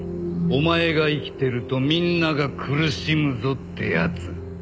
「お前が生きてるとみんなが苦しむぞ」ってやつ。